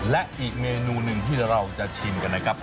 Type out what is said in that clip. และอีกเมนูหนึ่งที่เราจะชิมกันนะครับ